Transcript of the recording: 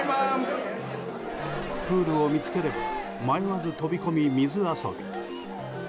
プールを見つければ迷わず飛び込み、水遊び。